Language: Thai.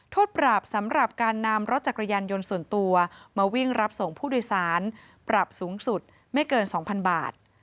โทษปรับสำหรับการนำรถจักรยานยนต์ส่วนตัวมาวิ่งรับส่งผู้โดยสารปรับสูงสุดไม่เกิน๒๐๐๐บาท